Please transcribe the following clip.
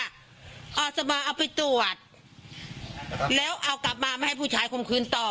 อาจจะมาเอาไปตรวจแล้วเอากลับมาไม่ให้ผู้ชายคมคืนต่อ